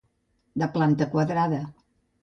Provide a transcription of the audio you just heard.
De planta quadrada.